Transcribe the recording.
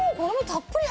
たっぷり！